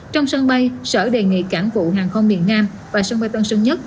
trong sân bay sở đề nghị cảng vụ hàng không miền nam và sân bay tân sơn nhất